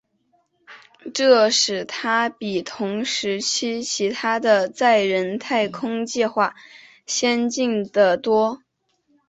这使它比同时期其它的载人太空计划先进得多。